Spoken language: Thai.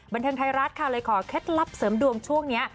บันเทิงไทยรัฐค่ะเลยขอเคล็ดลับเสริมดวงช่วงนี้